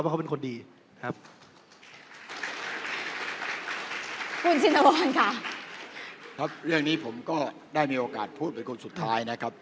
เรื่องนี้ผมก็ได้มีโอกาสพูดเป็นคนสุดท้ายนะครับ